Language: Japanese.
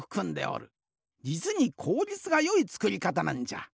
じつにこうりつがよいつくりかたなんじゃ。